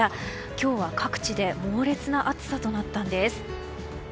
今日は各地で猛烈な暑さとなったんです。